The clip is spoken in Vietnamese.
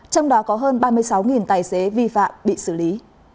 trong đó có hơn ba mươi sáu tài xế vi phạm bị xử lý